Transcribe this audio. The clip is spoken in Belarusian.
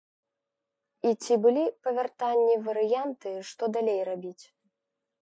І ці былі па вяртанні варыянты, што далей рабіць?